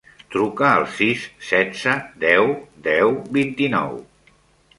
Truca al sis, setze, deu, deu, vint-i-nou.